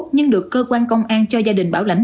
nhưng được cơ quan công an cho gia đình bảo lãnh